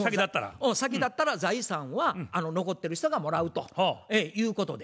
先立ったら財産は残ってる人がもらうということで。